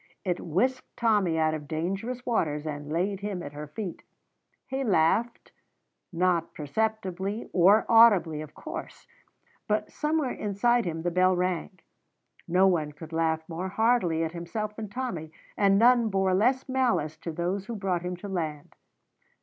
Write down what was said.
It whisked Tommy out of dangerous waters and laid him at her feet. He laughed, not perceptibly or audibly, of course, but somewhere inside him the bell rang. No one could laugh more heartily at himself than Tommy, and none bore less malice to those who brought him to land.